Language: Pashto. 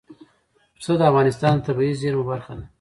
پسه د افغانستان د طبیعي زیرمو برخه ده.